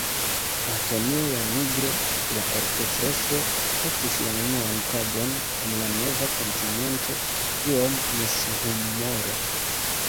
Antonio Janigro, la orkestrestro, estis la unuan tagon en la nova kontinento iom mishumora.